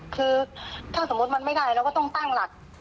คือถ้าสมมุติมันไม่ได้เราก็ต้องตั้งหลัก